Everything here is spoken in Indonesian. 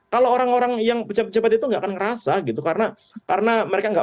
kalau orang orang yang pecepat cepat itu nggak akan ngerasa gitu karena mereka nggak